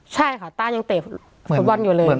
ใช่ค่ะต้ายังเตะฟุตบอลอยู่เลย